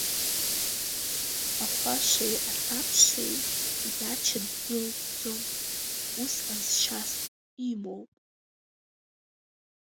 Ахәашеи асабшеи идача ддәылҵӡом, ус ҟазшьас имоуп…